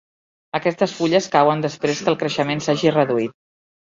Aquestes fulles cauen després que el creixement s'hagi reduït.